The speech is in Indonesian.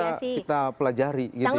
waktu itu kita pelajari gitu ya